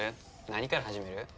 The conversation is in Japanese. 何から始める？